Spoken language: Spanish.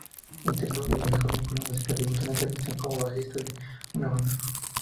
Interesado desde joven por la música, debutó en televisión como bajista de una banda.